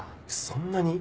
そんなに！？